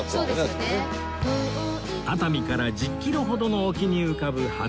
熱海から１０キロほどの沖に浮かぶ初島